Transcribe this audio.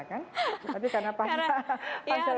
tapi karena pansel kpk kok jadi sangat seksi